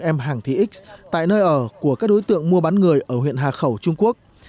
em hàng thị x tại nơi ở của các đối tượng mua bán người ở huyện hà khẩu trung quốc